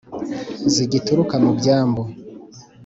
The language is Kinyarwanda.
zigituruka mu byambu;